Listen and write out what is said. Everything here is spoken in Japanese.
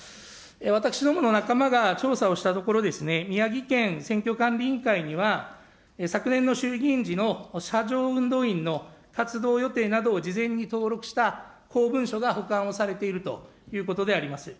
私どもの仲間が調査をしたところ、宮城県選挙管理委員会には、昨年の衆議院時の車上運動員の活動予定などを事前に登録した公文書が保管をされているということであります。